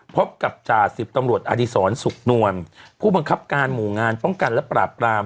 พบกับจ่าสิบตำรวจอดีศรสุขนวลผู้บังคับการหมู่งานป้องกันและปราบราม